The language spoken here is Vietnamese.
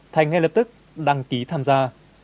thành ngay lập tức đăng ký tham gia